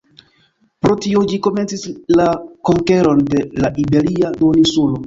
Pro tio ĝi komencis la konkeron de la iberia duoninsulo.